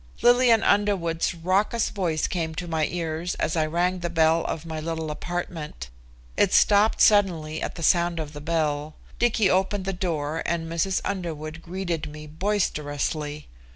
Lillian Underwood's raucous voice came to my ears as I rang the bell of my little apartment. It stopped suddenly at the sound of the bell. Dicky opened the door and Mrs. Underwood greeted me boisterously.